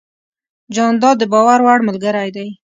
جانداد د باور وړ ملګری دی.